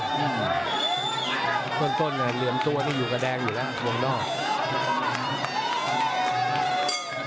ต้นระวังขวาแลจังนี่อยู่กับแดงอยู่ล่ะวงนอก